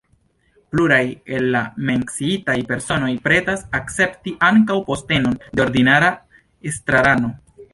Pluraj el la menciitaj personoj pretas akcepti ankaŭ postenon de ordinara estrarano.